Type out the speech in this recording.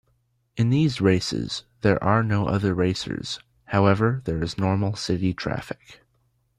In these races, there are no other racers, however there is normal city traffic.